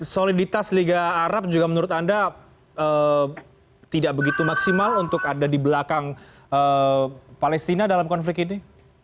soliditas liga arab juga menurut anda tidak begitu maksimal untuk ada di belakang palestina dalam konflik ini